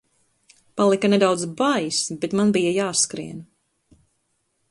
Palika nedaudz baisi, bet man bija jāskrien.